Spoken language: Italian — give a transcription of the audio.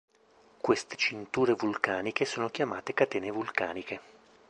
Queste cinture vulcaniche sono chiamate catene vulcaniche.